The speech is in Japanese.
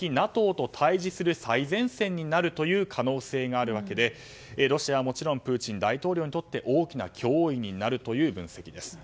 ＮＡＴＯと対峙する最前線になる可能性があるわけでロシアはもちろんプーチン大統領にとって大きな脅威になるという分析です。